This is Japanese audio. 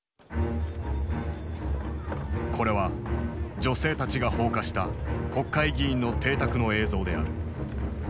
これは女性たちが放火した国会議員の邸宅の映像である。